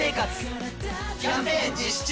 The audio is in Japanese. キャンペーン実施中！